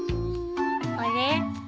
あれ？